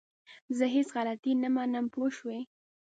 زه هيڅ غلطي نه منم! پوه شوئ!